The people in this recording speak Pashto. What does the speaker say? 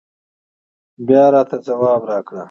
بيا راته ځواب راکړه